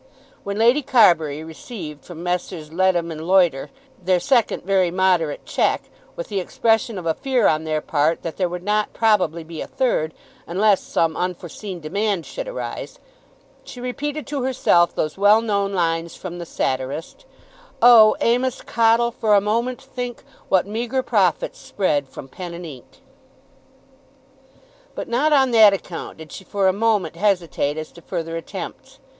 When Lady Carbury received from Messrs. Leadham and Loiter their second very moderate cheque, with the expression of a fear on their part that there would not probably be a third, unless some unforeseen demand should arise, she repeated to herself those well known lines from the satirist, "Oh, Amos Cottle, for a moment think What meagre profits spread from pen and ink." But not on that account did she for a moment hesitate as to further attempts.